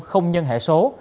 không nhân hệ số